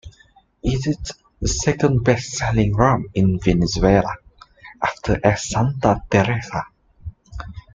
It is the second best-selling rum in Venezuela, after as Santa Teresa.